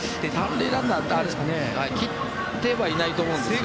３塁ランナーは切ってはいないと思うんですけどね。